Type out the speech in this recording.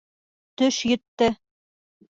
Төш етте.